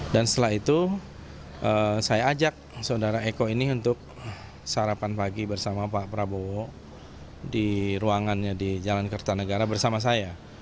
dan setelah itu saya ajak saudara eko ini untuk sarapan pagi bersama pak prabowo di ruangannya di jalan kertanegara bersama saya